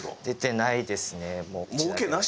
出てないですね。